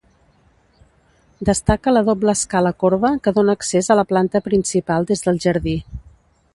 Destaca la doble escala corba que dóna accés a la planta principal des del jardí.